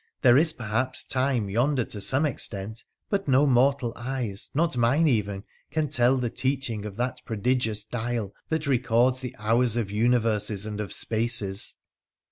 There is, perhaps, time yonder to some extent, but no mortal eyes, not mine even, can tell the teaching of that prodigious dial that records the hours of universes and of spaces.'